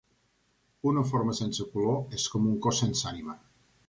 Una forma sense color és com un cos sense ànima.